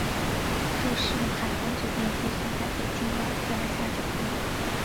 这是海航酒店集团在北京的第二家酒店。